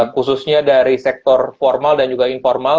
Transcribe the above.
khususnya dari sektor formal dan juga informal